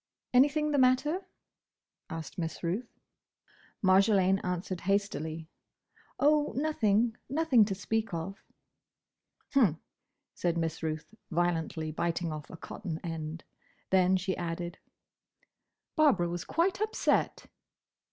"Anything the matter?" asked Miss Ruth. Marjolaine answered hastily, "Oh, nothing. Nothing to speak of." "H'm," said Miss Ruth, violently biting off a cotton end. Then she added, "Barbara was quite upset."